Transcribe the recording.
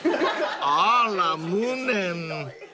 ［あら無念］